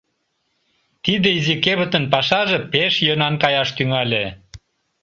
Тиде изи кевытын пашаже пеш йӧнан каяш тӱҥале.